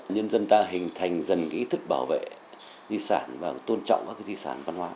nhân dân ta hình thành dần ý thức bảo vệ di sản và tôn trọng các di sản văn hóa